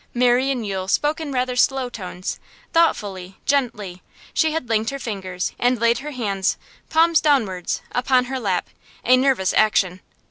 Marian Yule spoke in rather slow tones, thoughtfully, gently; she had linked her fingers, and laid her hands, palms downwards, upon her lap a nervous action.